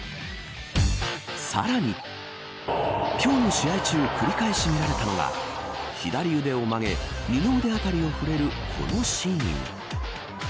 さらに今日の試合中繰り返し見られたのが左腕を曲げ二の腕あたりを触れるこのシーン。